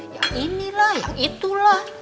yang inilah yang itulah